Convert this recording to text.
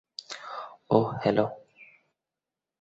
ওহ, hello!